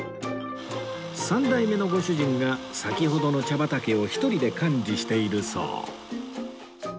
三代目のご主人が先ほどの茶畑を１人で管理しているそう